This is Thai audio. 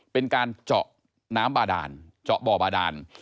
เป็นการเจาะน้ำบาดานเจาะบ่อบาดาน